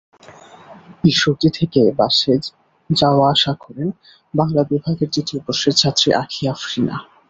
ঈশ্বরদী থেকে বাসে যাওয়া-আসা করেন বাংলা বিভাগের দ্বিতীয় বর্ষের ছাত্রী আঁখি আফরিনা।